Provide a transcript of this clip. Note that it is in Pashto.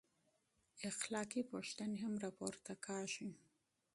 اخلاقي پوښتنې هم راپورته کېږي.